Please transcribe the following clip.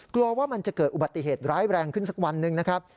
กลัวว่ามันจะเกิดอุบัติเหตุร้ายแรงขึ้นสักวันหนึ่งนะครับ